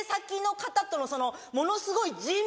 ものすごい。